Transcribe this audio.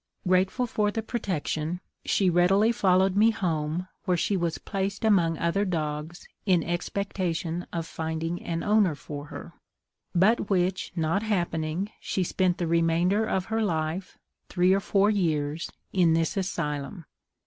Grateful for the protection, she readily followed me home, where she was placed among other dogs, in expectation of finding an owner for her; but which not happening, she spent the remainder of her life (three or four years) in this asylum.